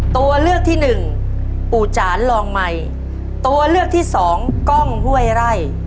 ตัวเลือกที่หนึ่งปู่จานลองใหม่ตัวเลือกที่สองกล้องห้วยไร่